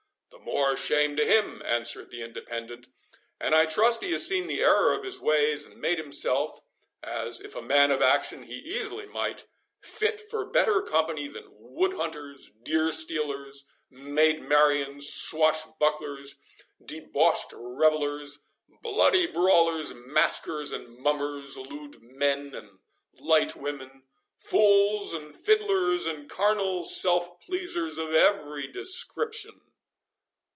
"The more shame to him," answered the Independent; "and I trust he has seen the error of his ways, and made himself (as, if a man of action, he easily might) fit for better company than wood hunters, deer stealers, Maid Marions, swash bucklers, deboshed revellers, bloody brawlers, maskers, and mummers, lewd men and light women, fools and fiddlers, and carnal self pleasers of every description."